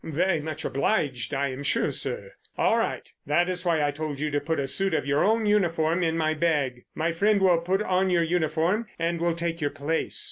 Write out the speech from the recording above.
"Very much obliged, I am sure, sir." "All right. That is why I told you to put a suit of your own uniform in my bag. My friend will put on your uniform and will take your place.